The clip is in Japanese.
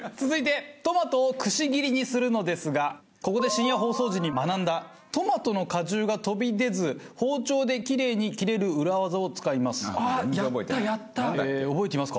続いてトマトをくし切りにするのですがここで深夜放送時に学んだトマトの果汁が飛び出ず包丁でキレイに切れる裏技を使います。